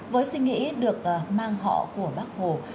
với suy nghĩ được mang họ của bác hồ